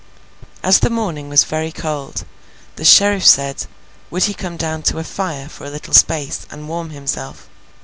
As the morning was very cold, the Sheriff said, would he come down to a fire for a little space, and warm himself?